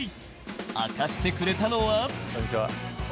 明かしてくれたのは。